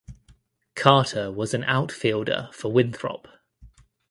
Carter was an outfielder for Winthrop.